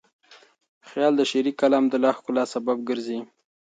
خیال د شعري کلام د لا ښکلا سبب ګرځي.